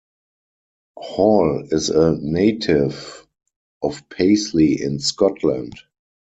Hall is a native of Paisley in Scotland.